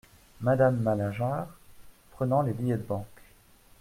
Madame Malingear , Prenant les billets de banque.